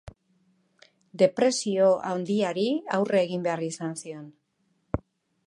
Depresio handiari aurre egin behar izan zion.